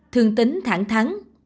thương tín thẳng thắng